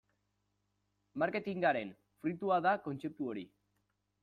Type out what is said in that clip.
Marketingaren fruitua da kontzeptu hori.